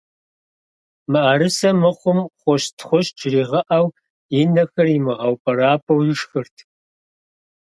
МыӀэрысэ мыхъум «хъущт, хъущт» жригъэӏэу, и нэхэр имыгъэупӏэрапӏэу ишхырт.